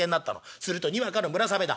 するとにわかの村雨だ。